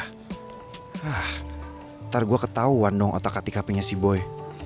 hah ntar gue ketauan dong otak atik hp nya si boy